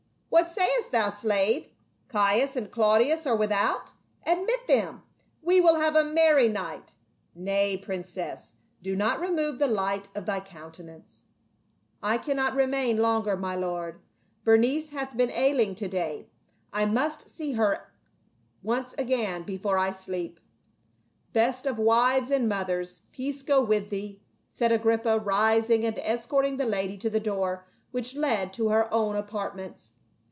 — What sayest thou, slave ? Caius and Claudius are without ? Admit them ; we will have a merr>' night. Nay, princess, do not remove the light of th} coun tenance." THREE PRINCES AND A SLA VE. 41 " I cannot remain longer, my lord, Berenice hath been ailing to day ; I must see her once again before I sleep." "Best of wives and mothers, peace go with thee!" said Agrippa, rising and escorting the lady to the door which led to her own apartments.